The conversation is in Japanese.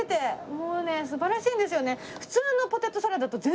もうね素晴らしいんですよね。